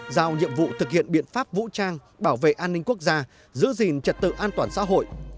giao nhiệm vụ thực hiện biện pháp vũ trang bảo vệ an ninh quốc gia giữ gìn trật tự an toàn xã hội